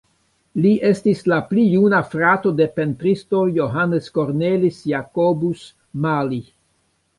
Li estis la pli juna frato de pentristo Johannes Cornelis Jacobus Mali.